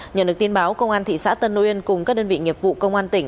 nhận được tin báo công an thị xã tân uyên cùng các đơn vị nghiệp vụ công an tỉnh